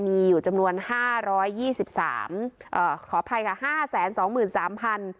มีอยู่จำนวนห้าร้อยยี่สิบสามเอ่อขออภัยค่ะห้าแสนสองหมื่นสามพัน